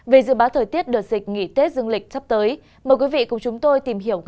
về dự báo thời tiết đợt dịch nghỉ tết dương lịch sắp tới